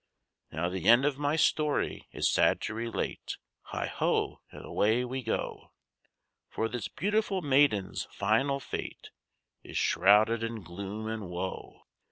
Now the end of my story is sad to relate Heigh ho! and away we go! For this beautiful maiden's final fate Is shrouded in gloom and woe.